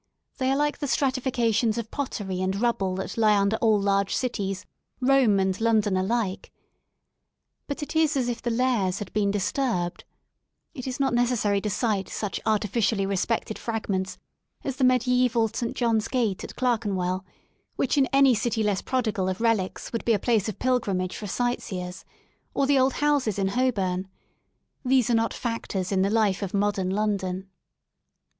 They are like the stratifications of pottery and rubble that He under all large cities, Rome and London alike. But it is as if the layers had been disturbed It is not necessary to cite such artificially respected fragments as the mediaeval St. John's Gate at Clerken well, which in any city less prodigal of relics would be a place of pilgrimage for sightseers, or the old houses in Hoi born. These are not factors in the life of modern London.